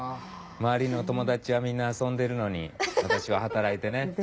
周りの友達はみんな遊んでるのに私は働いてね。